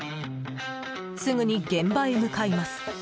すぐに現場へ向かいます。